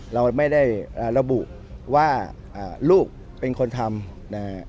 เราไม่ได้ระบุว่าลูกเป็นคนทำนะฮะ